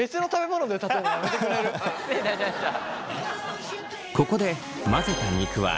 失礼いたしました。